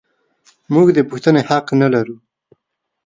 موږ د پوښتنې حق نه لرو.